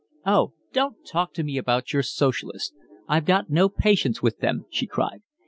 "Oh, don't talk to me about your socialists, I've got no patience with them," she cried.